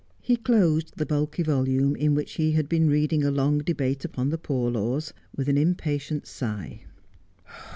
He closed the bulky volume, in which he had been reading a long debate upon the Poor Laws, with an impatient sigh.